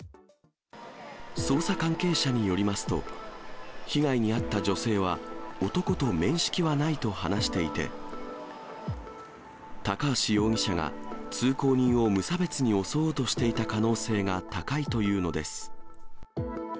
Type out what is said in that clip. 捜査関係者によりますと、被害に遭った女性は、男と面識はないと話していて、高橋容疑者が通行人を無差別に襲おうとしていた可能性が高いというのです。